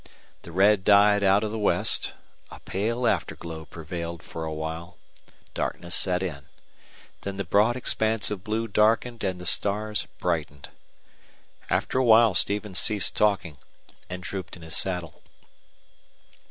The red died out of the west; a pale afterglow prevailed for a while; darkness set in; then the broad expanse of blue darkened and the stars brightened. After a while Stevens ceased talking and drooped in his saddle.